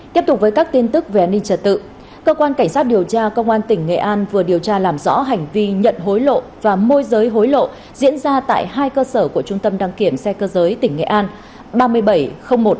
tiếp tục với các tin tức về an ninh trật tự cơ quan cảnh sát điều tra công an tỉnh nghệ an vừa điều tra làm rõ hành vi nhận hối lộ và môi giới hối lộ diễn ra tại hai cơ sở của trung tâm đăng kiểm xe cơ giới tỉnh nghệ an